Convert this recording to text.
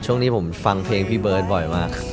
ช่วงนี้ผมฟังเพลงพี่เบิร์ตบ่อยมาก